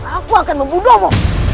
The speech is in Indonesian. aku akan membunuhmu